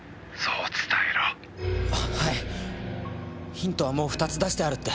ヒントはもう２つ出してあるって。